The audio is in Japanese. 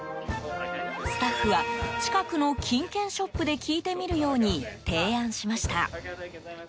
スタッフは近くの金券ショップで聞いてみるように提案しました。